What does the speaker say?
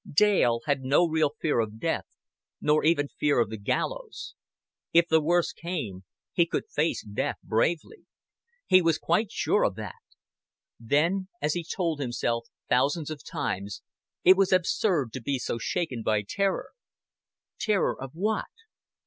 Dale had no real fear of death nor even fear of the gallows. If the worst came, he could face death bravely. He was quite sure of that. Then, as he told himself thousands of times, it was absurd to be so shaken by terror. Terror of what?